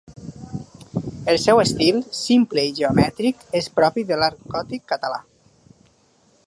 El seu estil, simple i geomètric, és propi de l'art gòtic català.